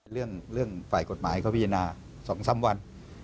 เรื่องฝ่ายกฎหมายเขาพิจารณา๒๓วัน